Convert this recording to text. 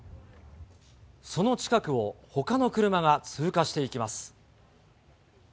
その近くをほかの車が通過していきます。